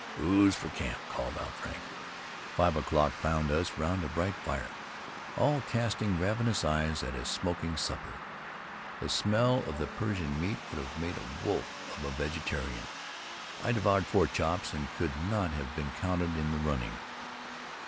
"Ooze for camp," called out Frank. Five o'clock found us round a bright fire, all casting ravenous eyes at a smoking supper. The smell of the Persian meat would have made a wolf of a vegetarian. I devoured four chops, and could not have been counted in the running.